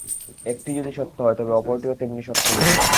একটি যদি সত্য হয়, তবে অপরটিও তেমনি সত্য হইবে।